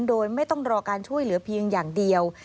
โดยไม่ต้องรอการช่วยเหลือเพียงอย่างเดียว